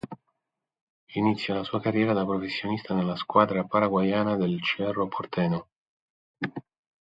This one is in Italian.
Inizia la sua carriera da professionista nella squadra paraguaiana del Cerro Porteño.